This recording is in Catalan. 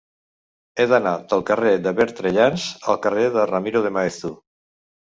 He d'anar del carrer de Bertrellans al carrer de Ramiro de Maeztu.